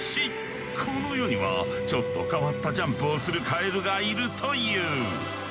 この世にはちょっと変わったジャンプをするカエルがいるという。